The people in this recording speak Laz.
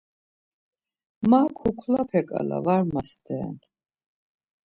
Ma kuklape ǩala var masteren.